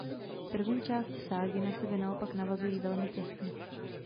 První části ságy na sebe naopak navazují velmi těsně.